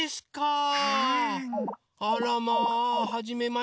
あらまあはじめまして。